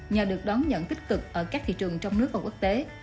nhờ được đón nhận tích cực ở các thị trường trong nước và quốc tế